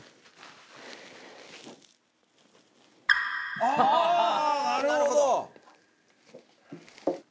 「ああーなるほど！」